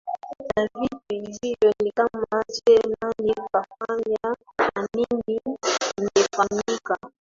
Na vitu hivyo ni kama Je nani kafanya na ni nini kimefanyika